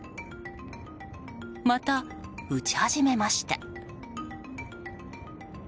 また打ち始めました。